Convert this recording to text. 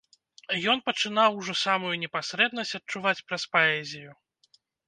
Ён пачынаў ужо самую непасрэднасць адчуваць праз паэзію.